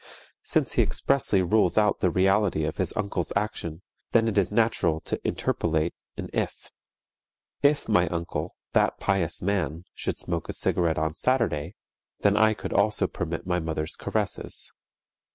Since he expressly rules out the reality of his uncle's action, then it is natural to interpolate an "if." "If my uncle, that pious man, should smoke a cigarette on Saturday, then I could also permit my mother's caresses."